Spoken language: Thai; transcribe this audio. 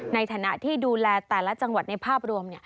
ในฐานะที่ดูแลแต่ละจังหวัดในภาพรวม